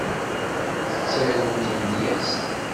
Tettarum tamedyezt?